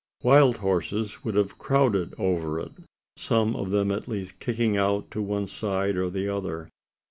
Wild horses would have crowded over it some of them at least kicking out to one side or the other?